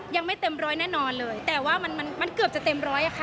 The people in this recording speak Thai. ยังไม่เต็มร้อยแน่นอนเลยแต่ว่ามันมันเกือบจะเต็มร้อยอะค่ะ